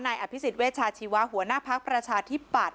อะพิสิทธิ์เวชาชีวาหัวหน้าพักประชาชนพอบท